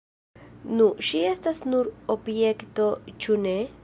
Nu, ŝi estas nur objekto, ĉu ne?